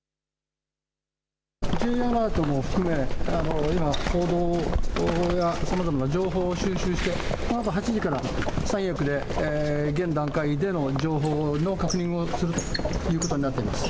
Ｊアラートも含め今、報道やさまざまな情報を収集してこのあと８時から三役で現段階での情報の確認をするということになっています。